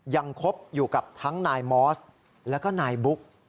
คบอยู่กับทั้งนายมอสแล้วก็นายบุ๊ก